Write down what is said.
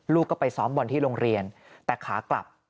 ลูกก็ไปซ้อมบอลที่โรงเรียนแต่ขากลับ